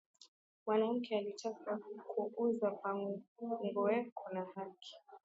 Mwanamke akitaka ku uza pango eko na haki